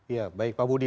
ya pak budi